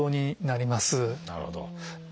なるほど。